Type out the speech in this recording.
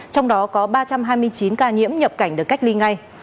trong đó có ba trăm hai mươi chín ca nhiễm nhập cảnh được cách ly ngay